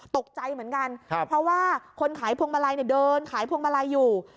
ตกใจเหมือนกันเพราะว่าคนขายพวงมาลัยเนี่ยเดินขายพวงมาลัยอยู่